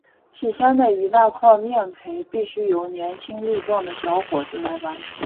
起先的一大块面培必须由年轻力壮的小伙子来完成。